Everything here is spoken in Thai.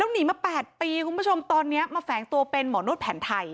หนีมา๘ปีคุณผู้ชมตอนนี้มาแฝงตัวเป็นหมอนวดแผนไทย